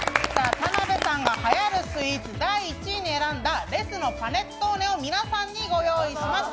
田辺さんがはやるスイーツ第１位に選んだＬＥＳＳのパネットーネを皆さんにご用意しました。